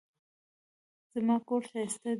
زما کور ښايسته دی